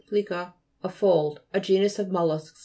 plica, a fold. A genus of mollusks (p.